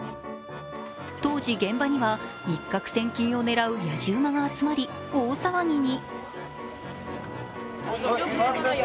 当時、現場には一獲千金を狙うやじ馬が集まり大騒ぎに。